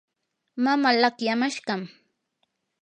mamaa laqyamashqam.